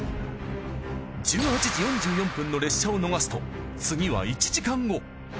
１８時４４分の列車を逃すと次は１時間後。